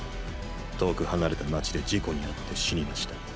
遠く離れた街で事故に遭って死にました。